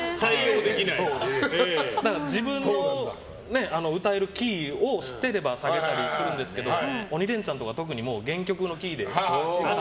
自分の歌えるキーを知ってれば下げたりするんですけど「鬼レンチャン」とか特に原曲のキーで。